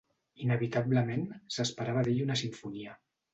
Inevitablement, s'esperava d'ell una simfonia.